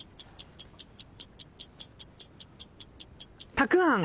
たくあん。